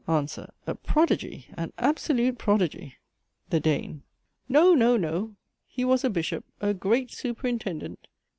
ANSWER. A prodigy! an absolute prodigy! THE DANE. No, no, no! he was a bishop, a great superintendent.